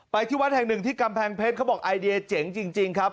ที่วัดแห่งหนึ่งที่กำแพงเพชรเขาบอกไอเดียเจ๋งจริงครับ